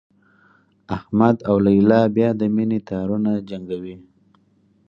احمد او لیلا بیا د مینې تارونه جنګوي